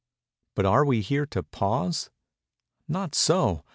But are we here to pause? Not so.